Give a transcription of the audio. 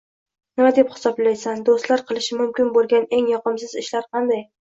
Nima deb hisoblaysan, do‘stlar qilishi mumkin bo‘lgan eng yoqimsiz ishlar qanday?